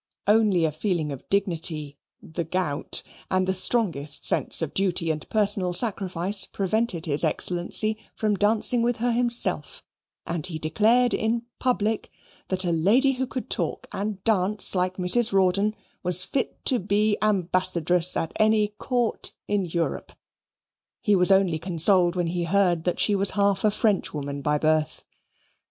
Only a feeling of dignity, the gout, and the strongest sense of duty and personal sacrifice prevented his Excellency from dancing with her himself, and he declared in public that a lady who could talk and dance like Mrs. Rawdon was fit to be ambassadress at any court in Europe. He was only consoled when he heard that she was half a Frenchwoman by birth.